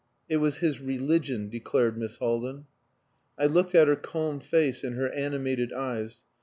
"It was his religion," declared Miss Haldin. I looked at her calm face and her animated eyes.